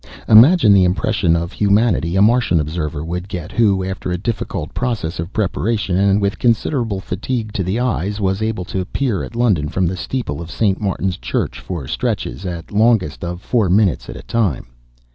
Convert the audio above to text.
Imagine the impression of humanity a Martian observer would get who, after a difficult process of preparation and with considerable fatigue to the eyes, was able to peer at London from the steeple of St. Martin's Church for stretches, at longest, of four minutes at a time.